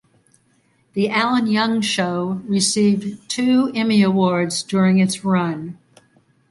"The Alan Young Show" received two Emmy Awards during its run.